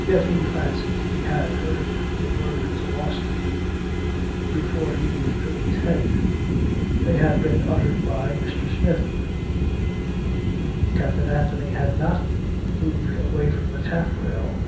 Yet he fancied he had heard the words "Lost to me" before he withdrew his head. They had been uttered by Mr. Smith. Captain Anthony had not moved away from the taffrail.